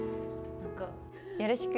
よろしく。